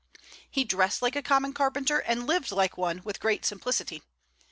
He dressed like a common carpenter, and lived like one, with great simplicity.